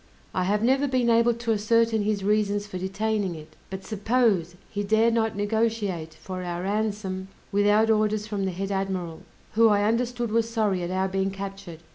I have never been able to ascertain his reasons for detaining it, but suppose he dare not negotiate for our ransom without orders from the head admiral, who I understood was sorry at our being captured.